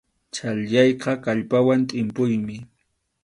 Chhallchayqa kallpawan tʼimpuymi.